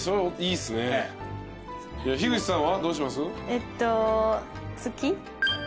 えっと月？